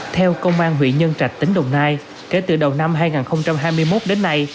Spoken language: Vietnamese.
theo công an huyện nhân trạch tỉnh đồng nai kể từ đầu năm hai nghìn hai mươi một đến nay